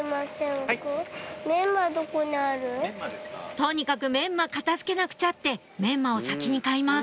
とにかくメンマ片付けなくちゃってメンマを先に買います